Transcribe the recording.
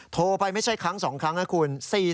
โทรไปไม่ใช่ครั้ง๒ครั้งนะคุณ